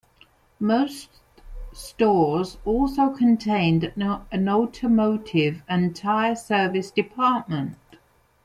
Most stores also contained an automotive and tire service department.